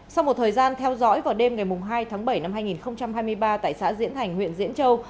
sau một thời gian theo dõi vào đêm ngày hai tháng bảy năm hai nghìn hai mươi ba tại xã diễn thành huyện diễn châu